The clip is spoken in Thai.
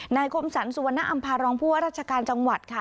คมสรรสุวรรณอำภารองผู้ว่าราชการจังหวัดค่ะ